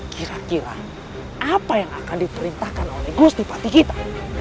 kira kira apa yang akan diterintakan oleh gusti pati kita